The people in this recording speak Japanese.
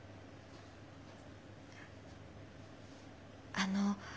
あの。